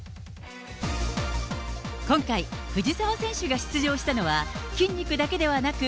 今回、藤澤選手が出場したのは、筋肉だけではなく、